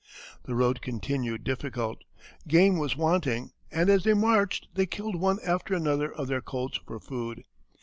The road continued difficult. Game was wanting, and as they marched they killed one after another of their colts for food.